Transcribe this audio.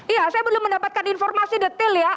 iya saya belum mendapatkan informasi detail ya